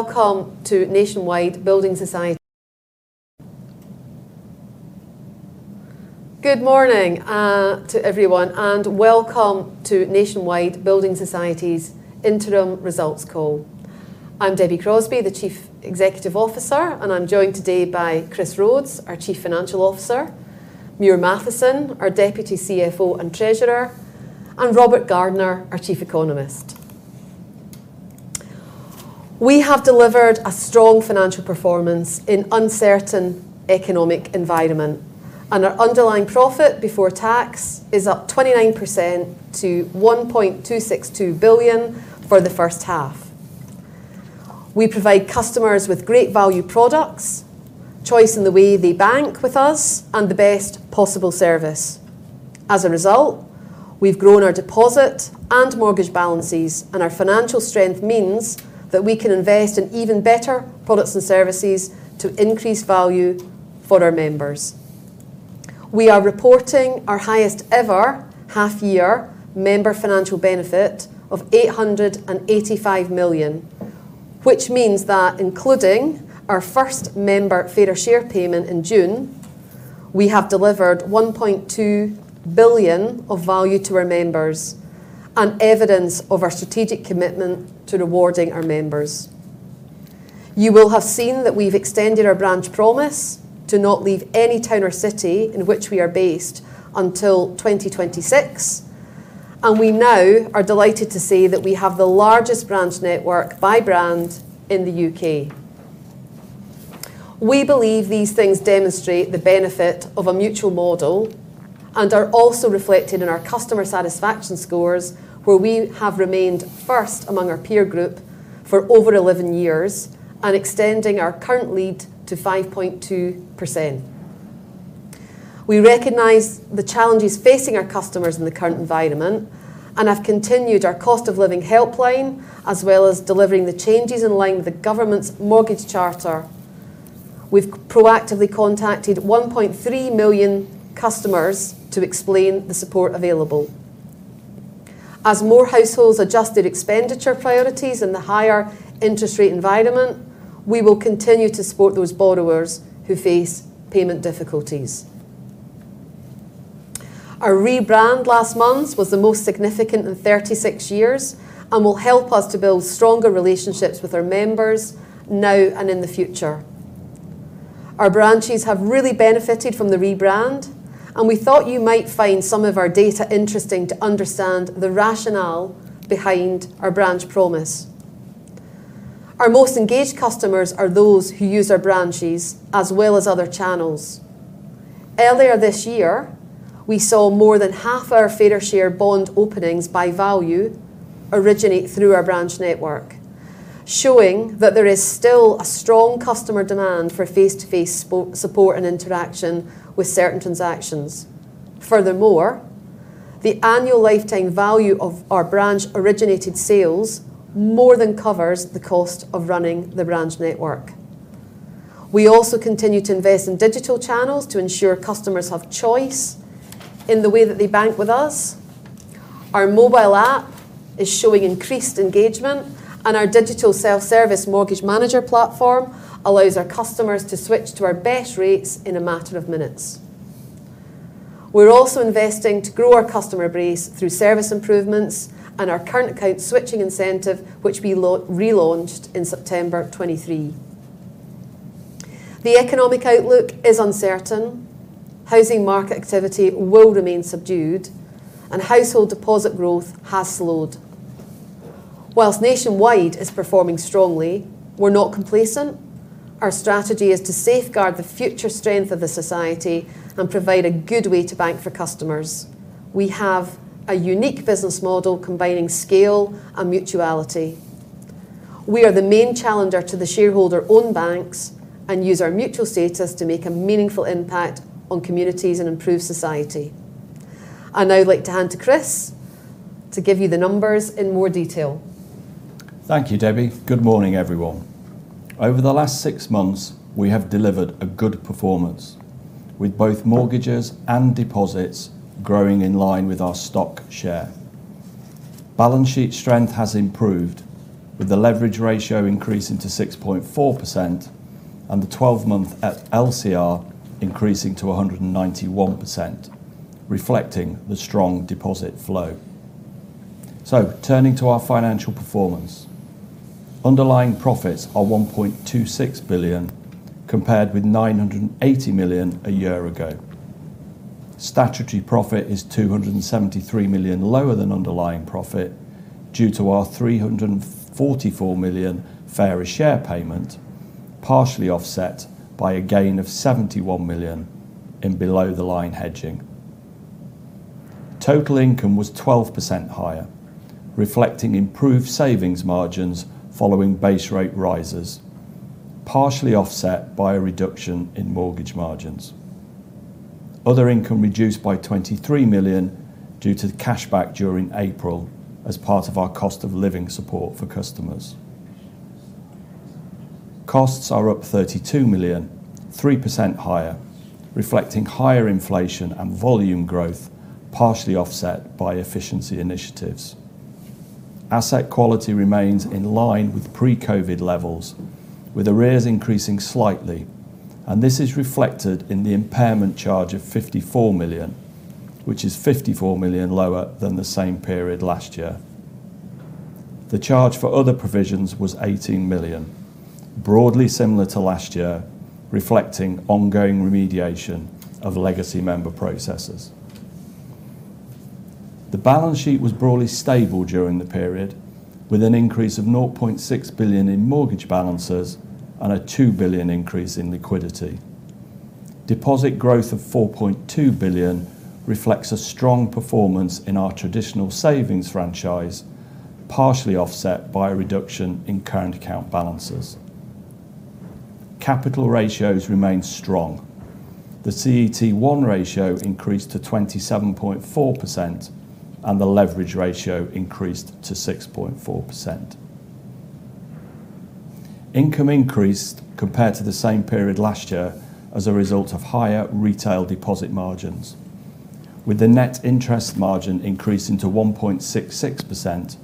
Welcome to Nationwide Building Society. Good morning, to everyone, and welcome to Nationwide Building Society's interim results call. I'm Debbie Crosbie, the Chief Executive Officer, and I'm joined today by Chris Rhodes, our Chief Financial Officer, Muir Mathieson, our Deputy CFO and Treasurer, and Robert Gardner, our Chief Economist. We have delivered a strong financial performance in uncertain economic environment, and our underlying profit before tax is up 29% to 1.262 billion for the first half. We provide customers with great value products, choice in the way they bank with us, and the best possible service. As a result, we've grown our deposit and mortgage balances, and our financial strength means that we can invest in even better products and services to increase value for our members. We are reporting our highest ever half-year member financial benefit of 885 million, which means that including our first member Fairer Share payment in June, we have delivered 1.2 billion of value to our members and evidence of our strategic commitment to rewarding our members. You will have seen that we've extended our branch promise to not leave any town or city in which we are based until 2026, and we now are delighted to say that we have the largest branch network by brand in the U.K.. We believe these things demonstrate the benefit of a mutual model and are also reflected in our customer satisfaction scores, where we have remained first among our peer group for over 11 years and extending our current lead to 5.2%. We recognize the challenges facing our customers in the current environment and have continued our cost of living helpline, as well as delivering the changes in line with the government's Mortgage Charter. We've proactively contacted 1.3 million customers to explain the support available. As more households adjusted expenditure priorities and the higher interest rate environment, we will continue to support those borrowers who face payment difficulties. Our rebrand last month was the most significant in 36 years and will help us to build stronger relationships with our members now and in the future. Our branches have really benefited from the rebrand, and we thought you might find some of our data interesting to understand the rationale behind our branch promise. Our most engaged customers are those who use our branches as well as other channels. Earlier this year, we saw more than half our Fairer Share Bond openings by value originate through our branch network, showing that there is still a strong customer demand for face-to-face support and interaction with certain transactions. Furthermore, the annual lifetime value of our branch-originated sales more than covers the cost of running the branch network. We also continue to invest in digital channels to ensure customers have choice in the way that they bank with us. Our mobile app is showing increased engagement, and our digital self-service Mortgage Manager platform allows our customers to switch to our best rates in a matter of minutes. We're also investing to grow our customer base through service improvements and our current account switching incentive, which we relaunched in September 2023. The economic outlook is uncertain. Housing market activity will remain subdued, and household deposit growth has slowed. While Nationwide is performing strongly, we're not complacent. Our strategy is to safeguard the future strength of the Society and provide a good way to bank for customers. We have a unique business model combining scale and mutuality. We are the main challenger to the shareholder-owned banks and use our mutual status to make a meaningful impact on communities and improve society. I'd now like to hand to Chris to give you the numbers in more detail. Thank you, Debbie. Good morning, everyone. Over the last six months, we have delivered a good performance, with both mortgages and deposits growing in line with our stock share. Balance sheet strength has improved, with the leverage ratio increasing to 6.4% and the 12-month LCR increasing to 191%, reflecting the strong deposit flow. So, turning to our financial performance, underlying profits are 1.26 billion, compared with 980 million a year ago. Statutory profit is 273 million lower than underlying profit, due to our 344 million Fairer Share payment, partially offset by a gain of 71 million in below-the-line hedging. Total income was 12% higher, reflecting improved savings margins following base rate rises, partially offset by a reduction in mortgage margins. Other income reduced by 23 million due to the cashback during April as part of our cost of living support for customers. Costs are up 32 million, 3% higher, reflecting higher inflation and volume growth, partially offset by efficiency initiatives. Asset quality remains in line with pre-COVID levels, with arrears increasing slightly, and this is reflected in the impairment charge of 54 million, which is 54 million lower than the same period last year. The charge for other provisions was 18 million, broadly similar to last year, reflecting ongoing remediation of legacy member processes. The balance sheet was broadly stable during the period, with an increase of 0.6 billion in mortgage balances and a 2 billion increase in liquidity. Deposit growth of 4.2 billion reflects a strong performance in our traditional savings franchise, partially offset by a reduction in current account balances. Capital ratios remain strong. The CET1 ratio increased to 27.4%, and the leverage ratio increased to 6.4%. Income increased compared to the same period last year as a result of higher retail deposit margins, with the net interest margin increasing to 1.66%,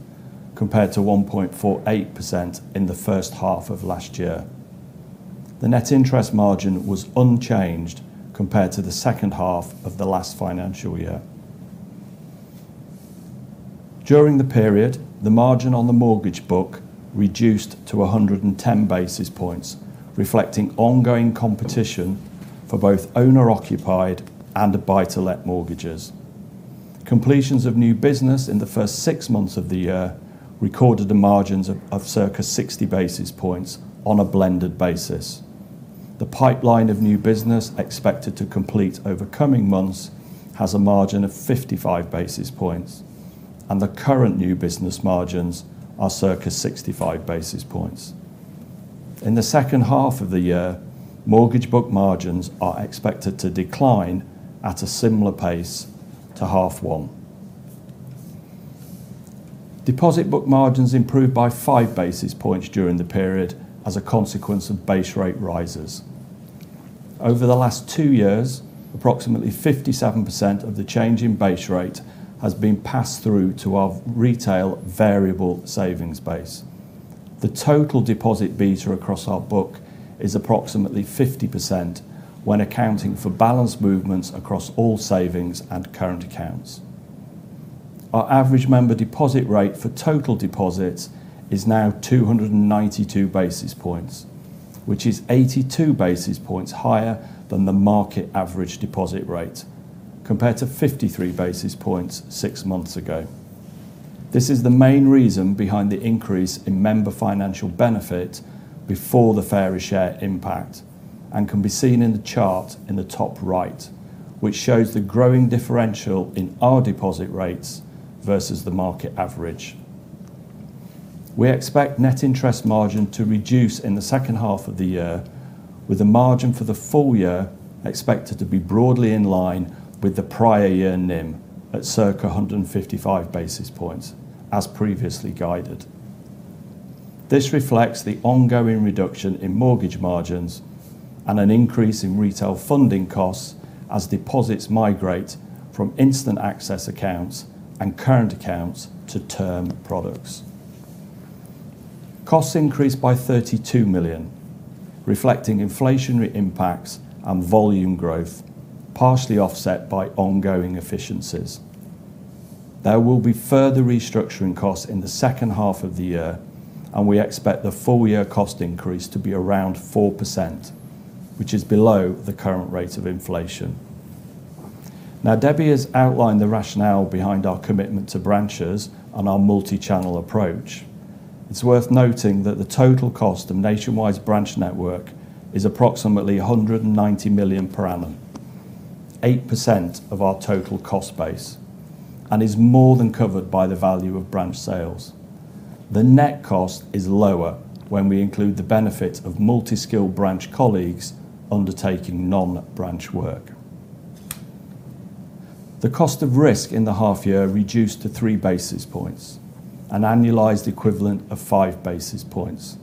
compared to 1.48% in the first half of last year. The net interest margin was unchanged compared to the second half of the last financial year. During the period, the margin on the mortgage book reduced to 110 basis points, reflecting ongoing competition for both owner-occupied and buy-to-let mortgages. Completions of new business in the first six months of the year recorded the margins of circa 60 basis points on a blended basis. The pipeline of new business expected to complete over coming months has a margin of 55 basis points, and the current new business margins are circa 65 basis points. In the second half of the year, mortgage book margins are expected to decline at a similar pace to half one. Deposit book margins improved by five basis points during the period as a consequence of base rate rises. Over the last two years, approximately 57% of the change in base rate has been passed through to our retail variable savings base. The total deposit beta across our book is approximately 50% when accounting for balance movements across all savings and current accounts. Our average member deposit rate for total deposits is now 292 basis points, which is 82 basis points higher than the market average deposit rate, compared to 53 basis points six months ago. This is the main reason behind the increase in member financial benefit before the Fairer Share impact, and can be seen in the chart in the top right, which shows the growing differential in our deposit rates versus the market average. We expect net interest margin to reduce in the second half of the year, with the margin for the full year expected to be broadly in line with the prior year NIM at circa 155 basis points, as previously guided. This reflects the ongoing reduction in mortgage margins and an increase in retail funding costs as deposits migrate from instant access accounts and current accounts to term products. Costs increased by 32 million, reflecting inflationary impacts and volume growth, partially offset by ongoing efficiencies. There will be further restructuring costs in the second half of the year, and we expect the full year cost increase to be around 4%, which is below the current rate of inflation. Now, Debbie has outlined the rationale behind our commitment to branches and our multi-channel approach. It's worth noting that the total cost of Nationwide's branch network is approximately 190 million per annum, 8% of our total cost base, and is more than covered by the value of branch sales. The net cost is lower when we include the benefit of multi-skilled branch colleagues undertaking non-branch work. The cost of risk in the half year reduced to three basis points, an annualized equivalent of five basis points.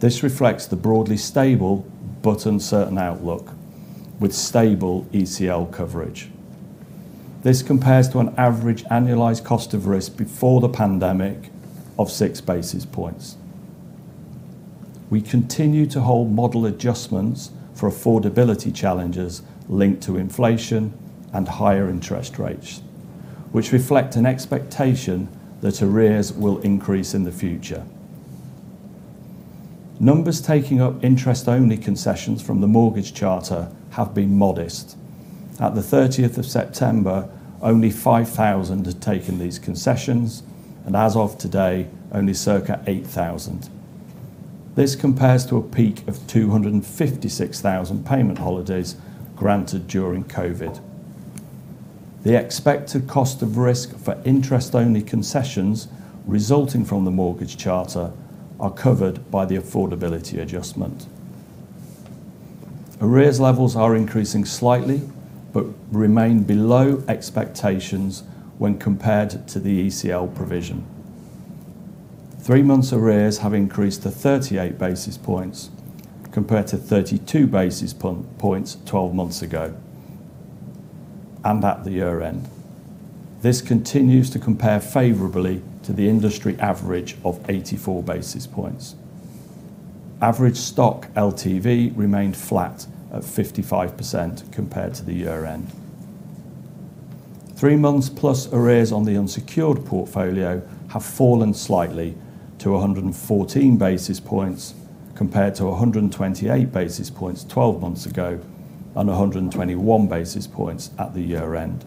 This reflects the broadly stable but uncertain outlook with stable ECL coverage. This compares to an average annualized cost of risk before the pandemic of six basis points. We continue to hold model adjustments for affordability challenges linked to inflation and higher interest rates, which reflect an expectation that arrears will increase in the future. Numbers taking up interest-only concessions from the Mortgage Charter have been modest. At the 30th of September, only 5,000 had taken these concessions, and as of today, only circa 8,000. This compares to a peak of 256,000 payment holidays granted during COVID. The expected cost of risk for interest-only concessions resulting from the Mortgage Charter are covered by the affordability adjustments. Arrears levels are increasing slightly, but remain below expectations when compared to the ECL provision. Three months arrears have increased to 38 basis points, compared to 32 basis points twelve months ago, and at the year end. This continues to compare favorably to the industry average of 84 basis points. Average stock LTV remained flat at 55% compared to the year end. Three months plus arrears on the unsecured portfolio have fallen slightly to 114 basis points, compared to 128 basis points twelve months ago, and 121 basis points at the year end.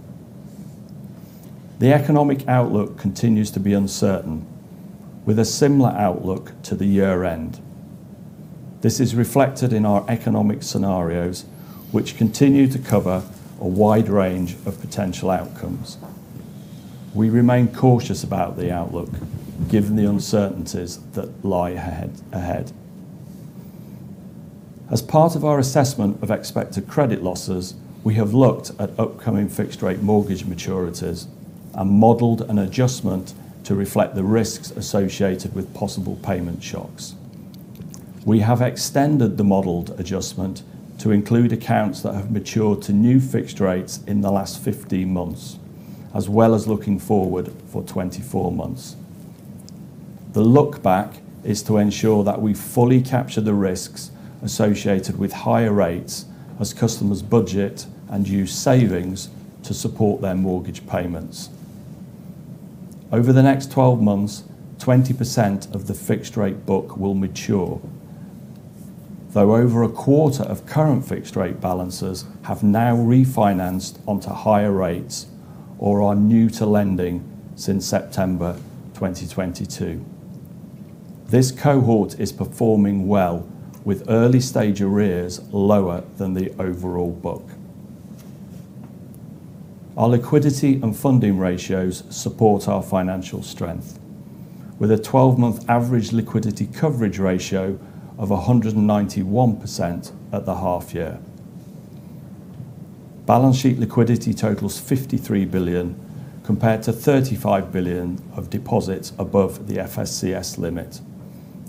The economic outlook continues to be uncertain, with a similar outlook to the year end. This is reflected in our economic scenarios, which continue to cover a wide range of potential outcomes. We remain cautious about the outlook, given the uncertainties that lie ahead. As part of our assessment of expected credit losses, we have looked at upcoming fixed rate mortgage maturities and modeled an adjustment to reflect the risks associated with possible payment shocks. We have extended the modeled adjustment to include accounts that have matured to new fixed rates in the last 15 months, as well as looking forward for 24 months. The look back is to ensure that we fully capture the risks associated with higher rates as customers budget and use savings to support their mortgage payments. Over the next 12 months, 20% of the fixed rate book will mature, though over a quarter of current fixed rate balances have now refinanced onto higher rates or are new to lending since September 2022. This cohort is performing well, with early stage arrears lower than the overall book. Our liquidity and funding ratios support our financial strength, with a 12-month average liquidity coverage ratio of 191% at the half year. Balance sheet liquidity totals 53 billion, compared to 35 billion of deposits above the FSCS limit.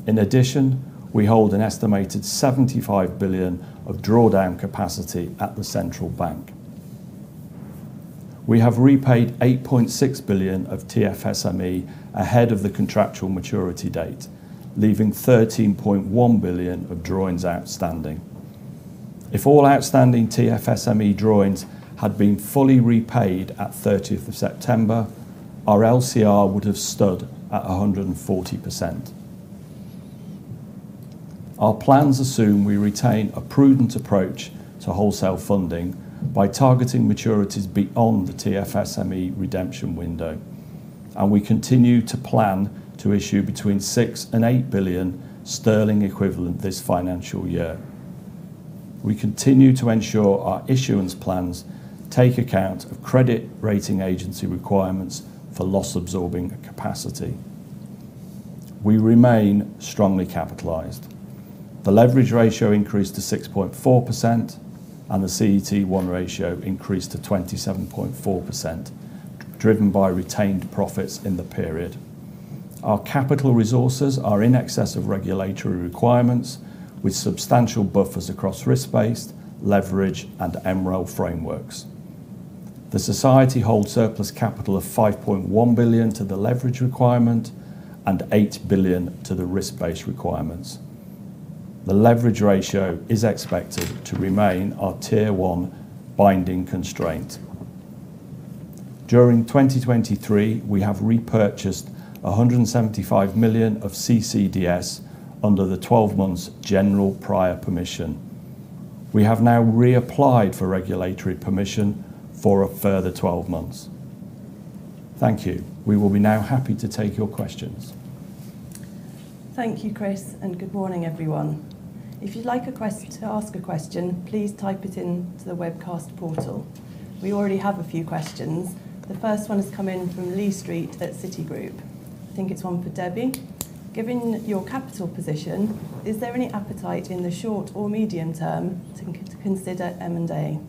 In addition, we hold an estimated 75 billion of drawdown capacity at the central bank. We have repaid 8.6 billion of TFSME ahead of the contractual maturity date, leaving 13.1 billion of drawings outstanding. If all outstanding TFSME drawings had been fully repaid at September, our LCR would have stood at 140%. Our plans assume we retain a prudent approach to wholesale funding by targeting maturities beyond the TFSME redemption window, and we continue to plan to issue between 6 billion-8 billion sterling equivalent this financial year. We continue to ensure our issuance plans take account of credit rating agency requirements for loss absorbing capacity. We remain strongly capitalized. The leverage ratio increased to 6.4%, and the CET1 ratio increased to 27.4%, driven by retained profits in the period. Our capital resources are in excess of regulatory requirements, with substantial buffers across risk-based, leverage, and MREL frameworks. The Society holds surplus capital of 5.1 billion to the leverage requirement and 8 billion to the risk-based requirements. The leverage ratio is expected to remain our Tier I binding constraint. During 2023, we have repurchased 175 million of CCDS under the 12 months general prior permission. We have now reapplied for regulatory permission for a further 12 months. Thank you. We will be now happy to take your questions. Thank you, Chris, and good morning, everyone. If you'd like to ask a question, please type it in to the webcast portal. We already have a few questions. The first one has come in from Lee Street at Citigroup. I think it's one for Debbie. Given your capital position, is there any appetite in the short or medium term to consider M&A?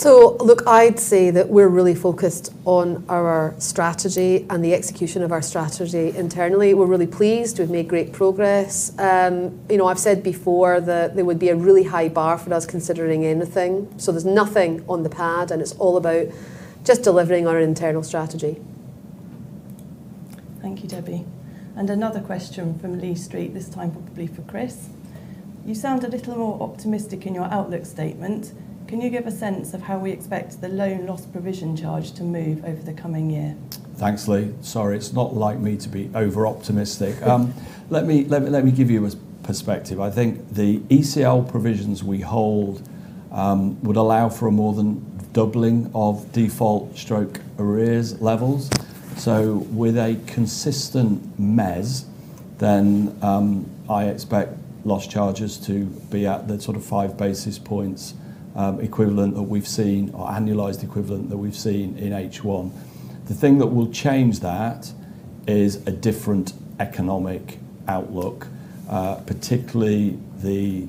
So look, I'd say that we're really focused on our strategy and the execution of our strategy internally. We're really pleased. We've made great progress. You know, I've said before that there would be a really high bar for us considering anything. So there's nothing on the pad, and it's all about just delivering our internal strategy. Thank you, Debbie. Another question from Lee Street, this time probably for Chris. You sound a little more optimistic in your outlook statement. Can you give a sense of how we expect the loan loss provision charge to move over the coming year? Thanks, Lee. Sorry, it's not like me to be overoptimistic. Let me give you a perspective. I think the ECL provisions we hold would allow for a more than doubling of default stroke arrears levels. So with a consistent MEZ, I expect loss charges to be at the sort of five basis points equivalent that we've seen, or annualized equivalent that we've seen in H1. The thing that will change that is a different economic outlook, particularly the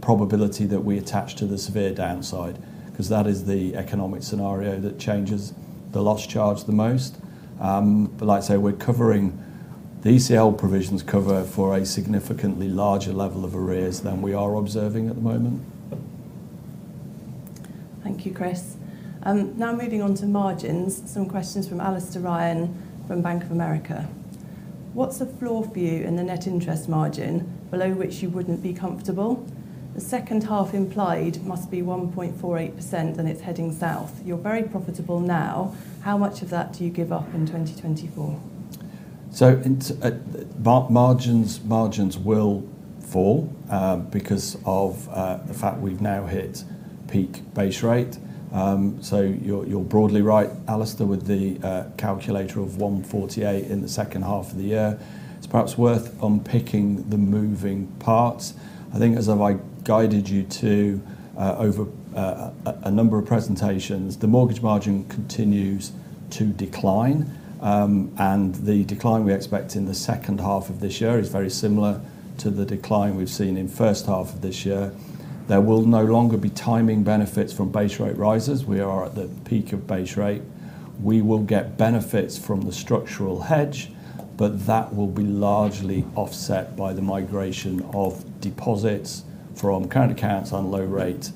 probability that we attach to the severe downside, 'cause that is the economic scenario that changes the loss charge the most. But like I say, the ECL provisions cover for a significantly larger level of arrears than we are observing at the moment. Thank you, Chris. Now moving on to margins, some questions from Alastair Ryan from Bank of America. What's the floor for you in the net interest margin below which you wouldn't be comfortable? The second half implied must be 1.48%, and it's heading south. You're very profitable now. How much of that do you give up in 2024? So margins will fall because of the fact we've now hit peak base rate. So you're broadly right, Alastair, with the calculator of 148 in the second half of the year. It's perhaps worth unpicking the moving parts. I think, as I've guided you to over a number of presentations, the mortgage margin continues to decline. And the decline we expect in the second half of this year is very similar to the decline we've seen in first half of this year. There will no longer be timing benefits from base rate rises. We are at the peak of base rate. We will get benefits from the structural hedge, but that will be largely offset by the migration of deposits from current accounts on low rate,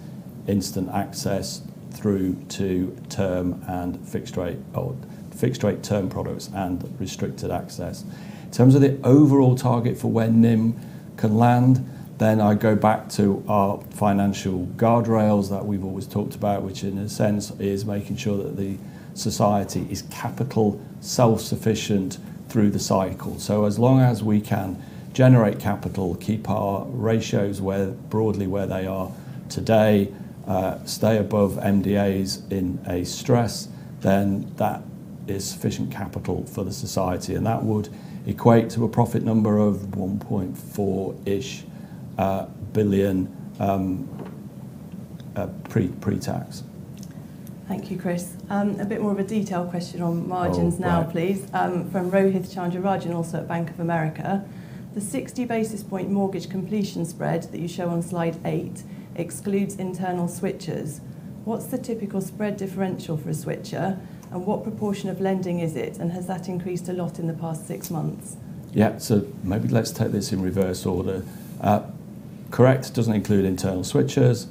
instant access, through to term and fixed rate or fixed rate term products and restricted access. In terms of the overall target for when NIM can land, then I go back to our financial guardrails that we've always talked about, which in a sense, is making sure that the society is capital self-sufficient through the cycle. So as long as we can generate capital, keep our ratios broadly where they are today, stay above NDAs in a stress, then that is sufficient capital for the society, and that would equate to a profit number of 1.4-ish billion pre-tax. Thank you, Chris. A bit more of a detailed question on margins- Oh, wow. Now, please, from Rohith Chandra-Rajan, also at Bank of America. The 60 basis point mortgage completion spread that you show on slide eight excludes internal switchers. What's the typical spread differential for a switcher, and what proportion of lending is it, and has that increased a lot in the past six months? Yeah. So maybe let's take this in reverse order. Correct, it doesn't include internal switchers.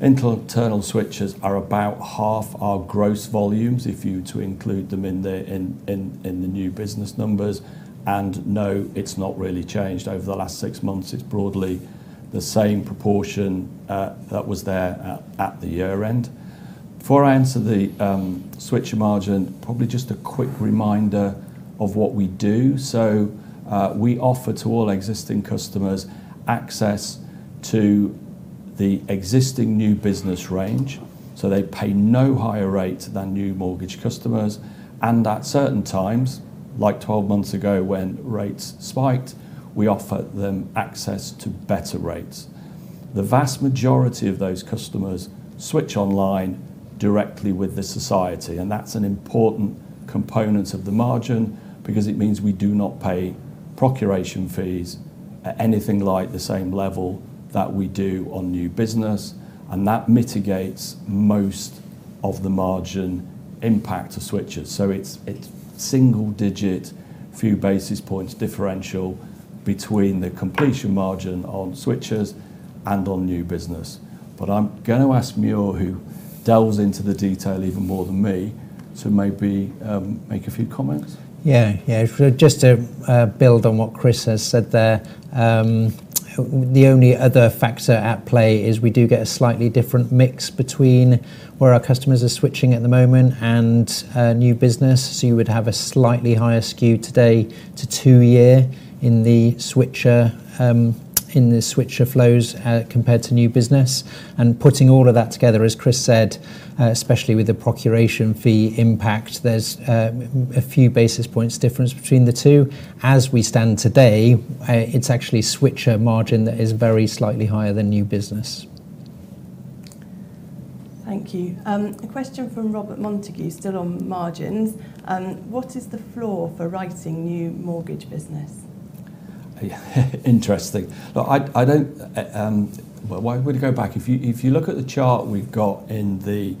Internal switchers are about half our gross volumes if you were to include them in the new business numbers, and no, it's not really changed over the last six months. It's broadly the same proportion that was there at the year-end. Before I answer the switcher margin, probably just a quick reminder of what we do. So, we offer to all existing customers access to the existing new business range, so they pay no higher rate than new mortgage customers, and at certain times, like 12 months ago when rates spiked, we offer them access to better rates. The vast majority of those customers switch online directly with the society, and that's an important component of the margin because it means we do not pay procuration fees at anything like the same level that we do on new business, and that mitigates most of the margin impact of switchers. So it's single digit, few basis points differential between the completion margin on switchers and on new business. But I'm going to ask Muir, who delves into the detail even more than me, to maybe make a few comments. Yeah. Yeah, just to build on what Chris has said there, the only other factor at play is we do get a slightly different mix between where our customers are switching at the moment and new business. So you would have a slightly higher skew today to two-year in the switcher, in the switcher flows, compared to new business. And putting all of that together, as Chris said, especially with the procuration fee impact, there's a few basis points difference between the two. As we stand today, it's actually switcher margin that is very slightly higher than new business. Thank you. A question from Robert Montague, still on margins. What is the floor for writing new mortgage business? Interesting. Look, I don't... Well, why don't we go back? If you look at the chart we've got in the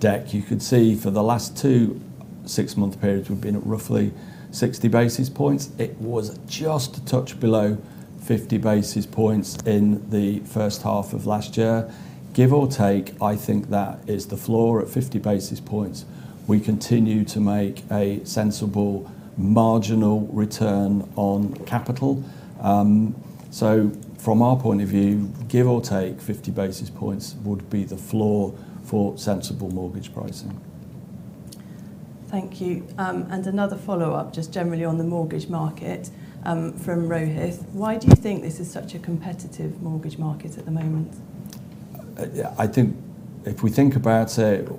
deck, you could see for the last two six-month periods, we've been at roughly 60 basis points. It was just a touch below 50 basis points in the first half of last year. Give or take, I think that is the floor. At 50 basis points, we continue to make a sensible marginal return on capital. So from our point of view, give or take 50 basis points would be the floor for sensible mortgage pricing. Thank you. Another follow-up, just generally on the mortgage market, from Rohith: Why do you think this is such a competitive mortgage market at the moment? Yeah, I think if we think about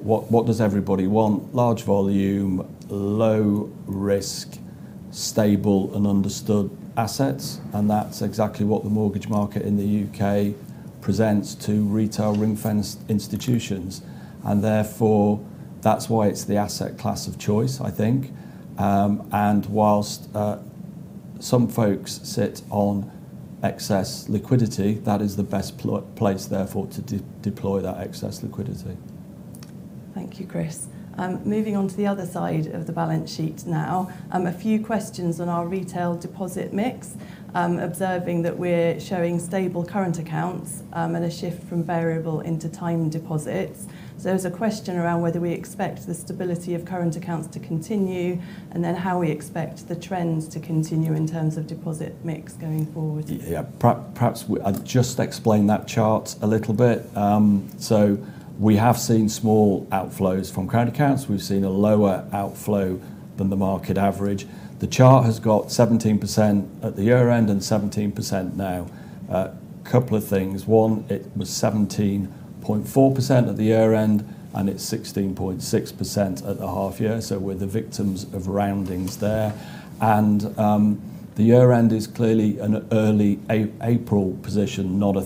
what does everybody want? Large volume, low risk... stable and understood assets, and that's exactly what the mortgage market in the U.K. presents to retail ring-fenced institutions. And therefore, that's why it's the asset class of choice, I think. And whilst some folks sit on excess liquidity, that is the best place, therefore, to deploy that excess liquidity. Thank you, Chris. Moving on to the other side of the balance sheet now. A few questions on our retail deposit mix. Observing that we're showing stable current accounts, and a shift from variable into time deposits. So there's a question around whether we expect the stability of current accounts to continue, and then how we expect the trends to continue in terms of deposit mix going forward. Yeah, perhaps I'll just explain that chart a little bit. So we have seen small outflows from current accounts. We've seen a lower outflow than the market average. The chart has got 17% at the year-end and 17% now. A couple of things. One, it was 17.4% at the year-end, and it's 16.6% at the half year, so we're the victims of roundings there. The year-end is clearly an early April position, not a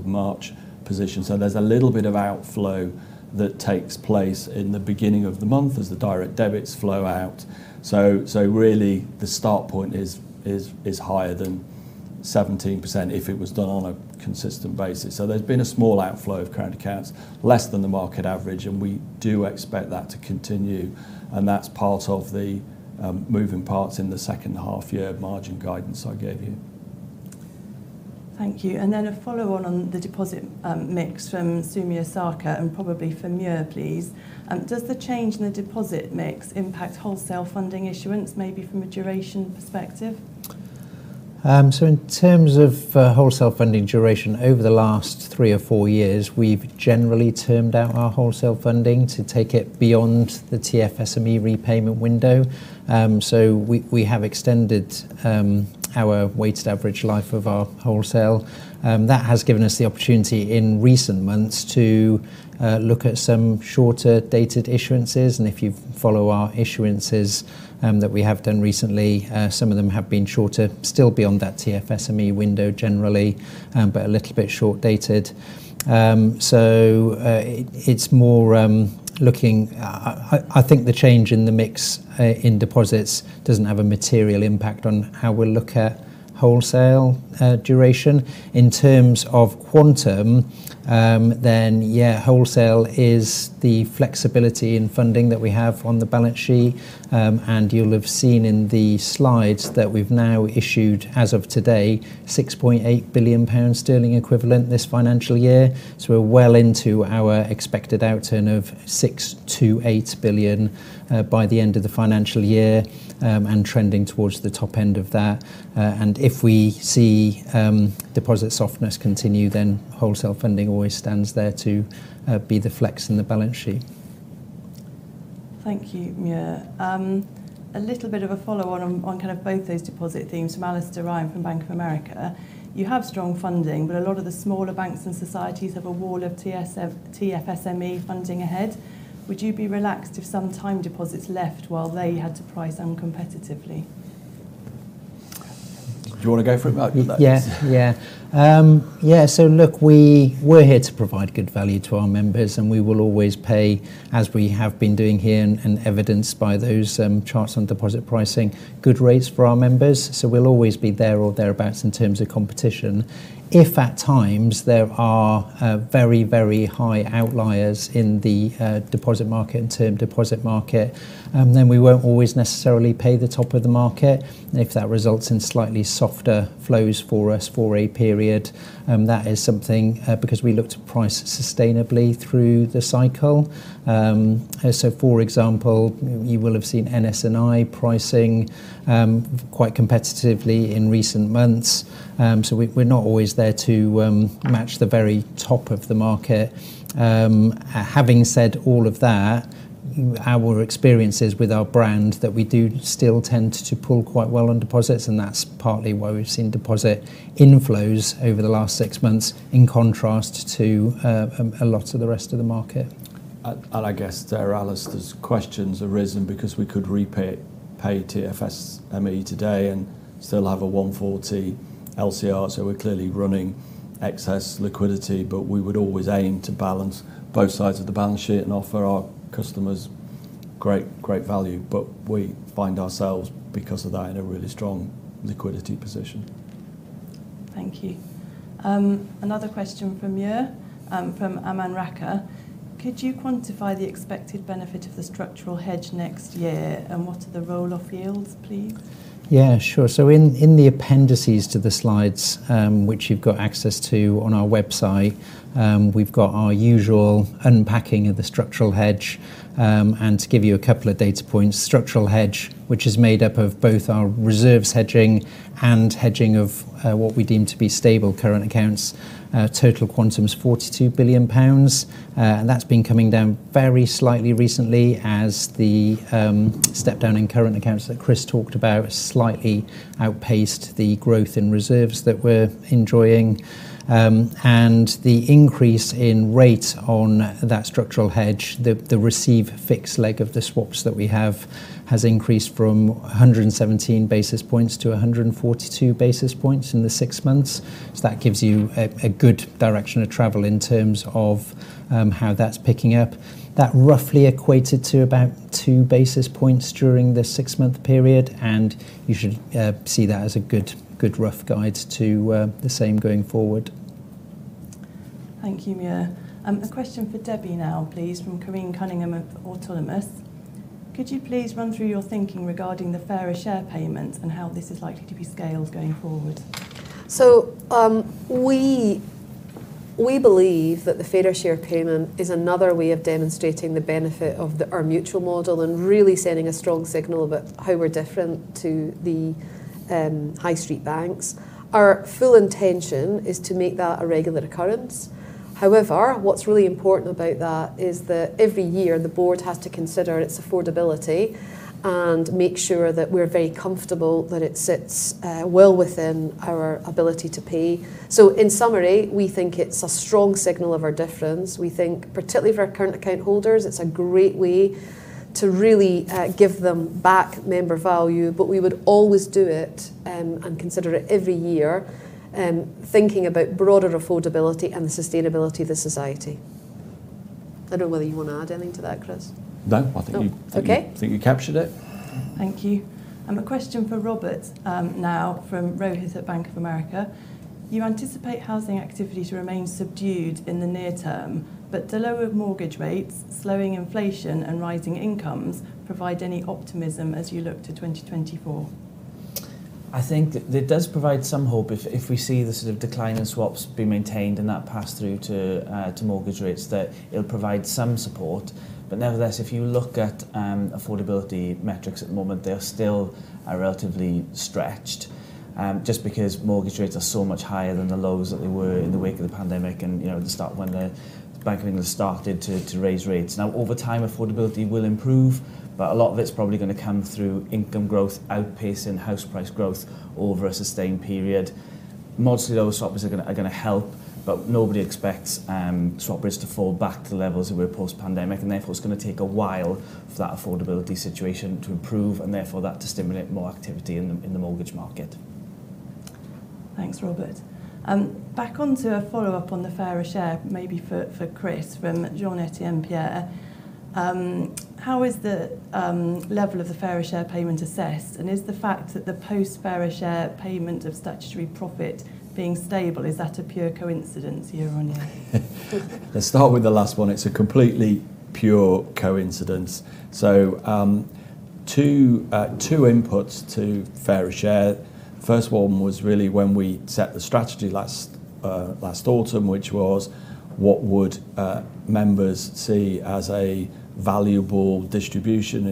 March 31st position. So there's a little bit of outflow that takes place in the beginning of the month as the direct debits flow out. So really, the start point is higher than 17% if it was done on a consistent basis. So there's been a small outflow of current accounts, less than the market average, and we do expect that to continue, and that's part of the moving parts in the second half-year margin guidance I gave you. Thank you. And then a follow-on on the deposit mix from Sumiya Sherpa, and probably for Muir, please. Does the change in the deposit mix impact wholesale funding issuance, maybe from a duration perspective? So in terms of wholesale funding duration, over the last three or four years, we've generally termed out our wholesale funding to take it beyond the TFSME repayment window. So we have extended our weighted average life of our wholesale. That has given us the opportunity in recent months to look at some shorter dated issuances, and if you follow our issuances that we have done recently, some of them have been shorter, still beyond that TFSME window, generally, but a little bit short dated. So it's more looking... I think the change in the mix in deposits doesn't have a material impact on how we look at wholesale duration. In terms of quantum, then, yeah, wholesale is the flexibility in funding that we have on the balance sheet. and you'll have seen in the slides that we've now issued, as of today, 6.8 billion sterling equivalent this financial year. So we're well into our expected outturn of 6-8 billion by the end of the financial year, and trending towards the top end of that. And if we see deposit softness continue, then wholesale funding always stands there to be the flex in the balance sheet. Thank you, Muir. A little bit of a follow-on on kind of both those deposit themes from Alastair Ryan from Bank of America. You have strong funding, but a lot of the smaller banks and societies have a wall of TFSME funding ahead. Would you be relaxed if some time deposits left while they had to price uncompetitively? Do you want to go for it? I... Yeah. Yeah. Yeah, so look, we, we're here to provide good value to our members, and we will always pay, as we have been doing here and, and evidenced by those, charts on deposit pricing, good rates for our members. So we'll always be there or thereabout in terms of competition. If, at times, there are, very, very high outliers in the, deposit market and term deposit market, then we won't always necessarily pay the top of the market. And if that results in slightly softer flows for us for a period, that is something, because we look to price sustainably through the cycle. So for example, you will have seen NS&I pricing, quite competitively in recent months. So we, we're not always there to, match the very top of the market. Having said all of that, our experience is with our brand, that we do still tend to pull quite well on deposits, and that's partly why we've seen deposit inflows over the last six months, in contrast to a lot of the rest of the market. I guess Alastair's questions have arisen because we could repay TFSME today and still have a 140 LCR, so we're clearly running excess liquidity. We would always aim to balance both sides of the balance sheet and offer our customers great value. We find ourselves, because of that, in a really strong liquidity position. Thank you. Another question for Muir, from Aman Rakkar: Could you quantify the expected benefit of the structural hedge next year, and what are the roll-off yields, please? Yeah, sure. So in the appendices to the slides, which you've got access to on our website, we've got our usual unpacking of the structural hedge. And to give you a couple of data points, structural hedge, which is made up of both our reserves hedging and hedging of what we deem to be stable current accounts, total quantum is GBP 42 billion. And that's been coming down very slightly recently as the step down in current accounts that Chris talked about slightly outpaced the growth in reserves that we're enjoying. And the increase in rate on that structural hedge, the receive fixed leg of the swaps that we have, has increased from 117 basis points to 142 basis points in the six months. So that gives you a good direction of travel in terms of how that's picking up. That roughly equated to about two basis points during the six-month period, and you should see that as a good, good rough guide to the same going forward. Thank you, Muir. A question for Debbie now, please, from Corinne Cunningham of Autonomous: Could you please run through your thinking regarding the Fairer Share payments and how this is likely to be scaled going forward? So, we believe that the Fairer Share payment is another way of demonstrating the benefit of our mutual model and really sending a strong signal about how we're different to the high street banks. Our full intention is to make that a regular occurrence. However, what's really important about that is that every year, the board has to consider its affordability and make sure that we're very comfortable that it sits well within our ability to pay. So in summary, we think it's a strong signal of our difference. We think, particularly for our current account holders, it's a great way to really give them back member value, but we would always do it and consider it every year thinking about broader affordability and the sustainability of the society. I don't know whether you wanna add anything to that, Chris? No, I think you- Okay. I think you captured it. Thank you. A question for Robert, now from Rohith at Bank of America: You anticipate housing activity to remain subdued in the near term, but the lower mortgage rates, slowing inflation, and rising incomes provide any optimism as you look to 2024? I think it does provide some hope if we see the sort of decline in swaps being maintained and that pass through to mortgage rates, that it'll provide some support. But nevertheless, if you look at affordability metrics at the moment, they are still relatively stretched. Just because mortgage rates are so much higher than the lows that they were in the wake of the pandemic and, you know, at the start when the Bank of England started to raise rates. Now, over time, affordability will improve, but a lot of it's probably gonna come through income growth, outpacing house price growth over a sustained period. Mostly, those swaps are gonna help, but nobody expects swap rates to fall back to the levels that were post-pandemic, and therefore, it's gonna take a while for that affordability situation to improve, and therefore, that to stimulate more activity in the mortgage market. Thanks, Robert. Back onto a follow-up on the Fairer Share, maybe for, for Chris, from Jean-Etienne Pierre: How is the level of the Fairer Share payment assessed? And is the fact that the post-Fairer Share payment of statutory profit being stable, is that a pure coincidence year on year? Let's start with the last one. It's a completely pure coincidence. So, two inputs to Fairer Share. First one was really when we set the strategy last autumn, which was, what would members see as a valuable distribution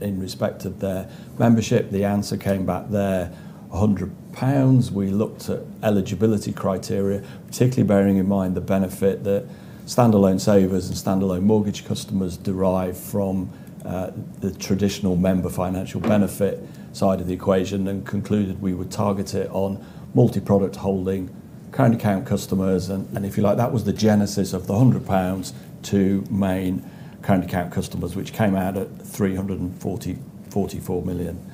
in respect of their membership? The answer came back there, 100 pounds. We looked at eligibility criteria, particularly bearing in mind the benefit that standalone savers and standalone mortgage customers derive from the traditional member financial benefit side of the equation, and concluded we would target it on multi-product holding current account customers. And if you like, that was the genesis of the 100 pounds to main current account customers, which came out at 344 million.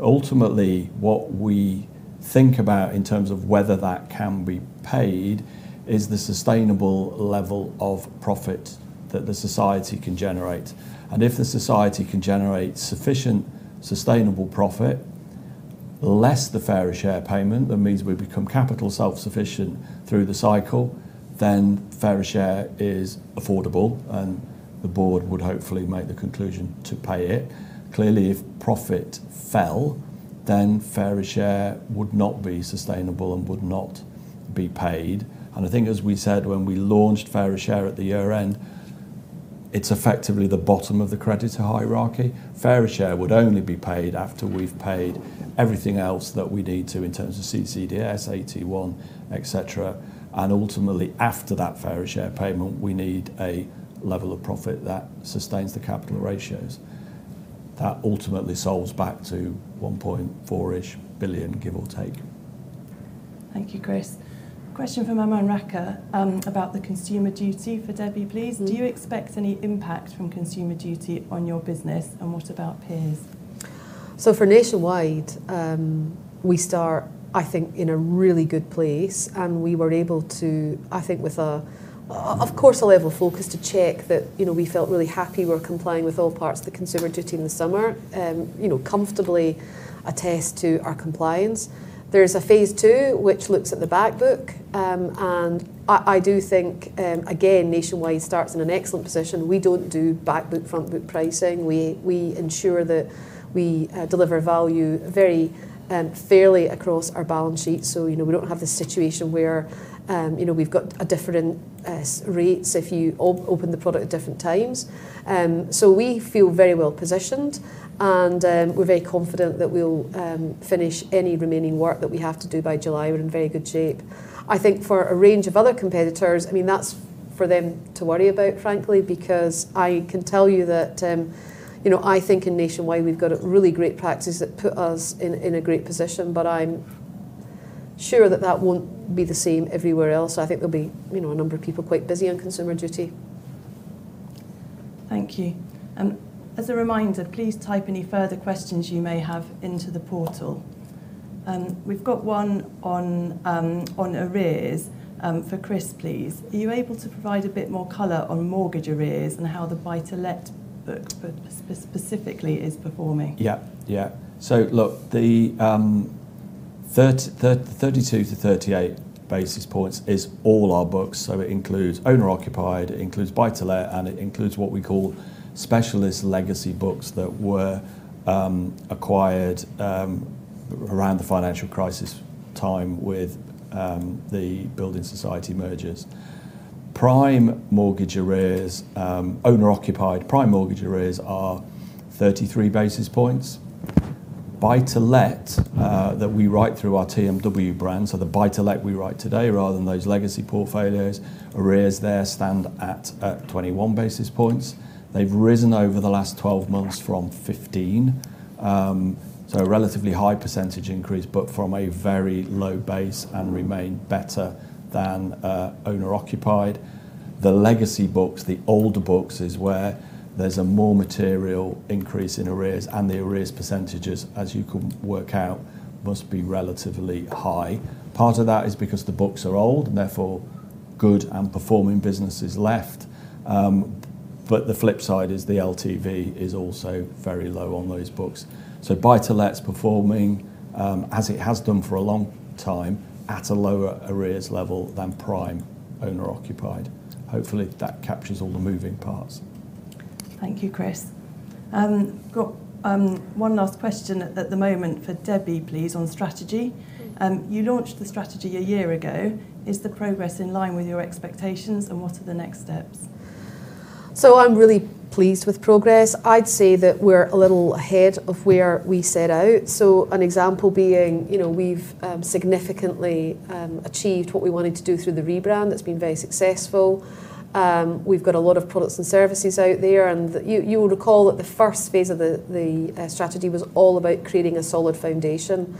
Ultimately, what we think about in terms of whether that can be paid is the sustainable level of profit that the society can generate. If the society can generate sufficient sustainable profit, less the Fairer Share payment, that means we become capital self-sufficient through the cycle, then Fairer Share is affordable, and the board would hopefully make the conclusion to pay it. Clearly, if profit fell, then Fairer Share would not be sustainable and would not be paid. I think as we said when we launched Fairer Share at the year-end, it's effectively the bottom of the creditor hierarchy. Fairer Share would only be paid after we've paid everything else that we need to in terms of CCDS, AT1, et cetera. Ultimately, after that Fairer Share payment, we need a level of profit that sustains the capital ratios. That ultimately solves back to 1.4-ish billion, give or take. Thank you, Chris. Question from Aman Rakkar, about the Consumer Duty for Debbie, please. Mm-hmm. Do you expect any impact from Consumer Duty on your business, and what about peers? So for Nationwide, we start, I think, in a really good place, and we were able to, I think, with, of course, a level of focus to check that, you know, we felt really happy we're complying with all parts of the Consumer Duty in the summer, you know, comfortably attest to our compliance. There's a phase two, which looks at the back book. And I do think, again, Nationwide starts in an excellent position. We don't do back book, front book pricing. We ensure that we deliver value very fairly across our balance sheet. So, you know, we don't have the situation where, you know, we've got a different rates if you open the product at different times. So we feel very well-positioned, and we're very confident that we'll finish any remaining work that we have to do by July. We're in very good shape. I think for a range of other competitors, I mean, for them to worry about, frankly, because I can tell you that, you know, I think in Nationwide we've got a really great practice that put us in, in a great position, but I'm sure that that won't be the same everywhere else. I think there'll be, you know, a number of people quite busy on Consumer Duty. Thank you. As a reminder, please type any further questions you may have into the portal. We've got one on, on arrears, for Chris, please. Are you able to provide a bit more color on mortgage arrears and how the buy-to-let specifically is performing? Yeah, yeah. So look, the 32-38 basis points is all our books, so it includes owner-occupied, it includes buy-to-let, and it includes what we call specialist legacy books that were acquired around the financial crisis time with the building society mergers. Prime mortgage arrears, owner-occupied prime mortgage arrears are 33 basis points. Buy-to-let that we write through our TMW brand, so the buy-to-let we write today, rather than those legacy portfolios, arrears there stand at 21 basis points. They've risen over the last 12 months from 15. So a relatively high percentage increase, but from a very low base and remain better than owner-occupied. The legacy books, the older books, is where there's a more material increase in arrears, and the arrears percentages, as you can work out, must be relatively high. Part of that is because the books are old, and therefore good and performing businesses left. But the flip side is the LTV is also very low on those books. So buy-to-let's performing, as it has done for a long time, at a lower arrears level than prime owner-occupied. Hopefully, that captures all the moving parts. Thank you, Chris. Got one last question at the moment for Debbie, please, on strategy. You launched the strategy a year ago. Is the progress in line with your expectations, and what are the next steps? So I'm really pleased with progress. I'd say that we're a little ahead of where we set out. So an example being, you know, we've significantly achieved what we wanted to do through the rebrand. That's been very successful. We've got a lot of products and services out there, and you will recall that the first phase of the strategy was all about creating a solid foundation.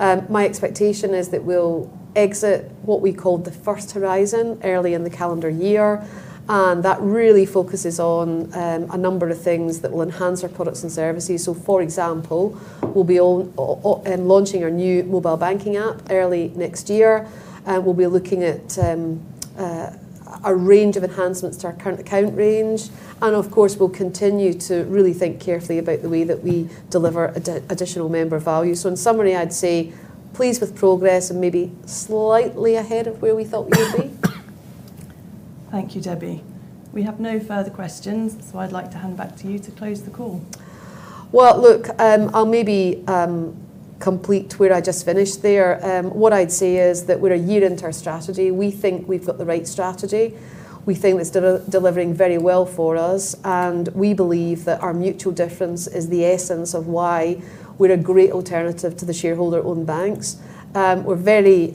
My expectation is that we'll exit what we call the first horizon early in the calendar year, and that really focuses on a number of things that will enhance our products and services. So, for example, we'll be launching our new mobile banking app early next year. And we'll be looking at a range of enhancements to our current account range. Of course, we'll continue to really think carefully about the way that we deliver additional member value. In summary, I'd say pleased with progress and maybe slightly ahead of where we thought we would be. Thank you, Debbie. We have no further questions, so I'd like to hand back to you to close the call. Well, look, I'll maybe complete where I just finished there. What I'd say is that we're a year into our strategy. We think we've got the right strategy. We think it's delivering very well for us, and we believe that our mutual difference is the essence of why we're a great alternative to the shareholder-owned banks. We're very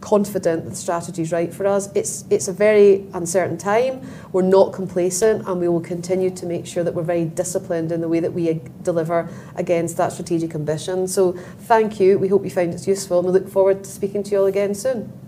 confident the strategy's right for us. It's a very uncertain time. We're not complacent, and we will continue to make sure that we're very disciplined in the way that we deliver against that strategic ambition. So thank you. We hope you found this useful, and we look forward to speaking to you all again soon.